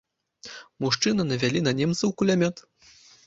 Мужчыны навялі на немцаў кулямёт.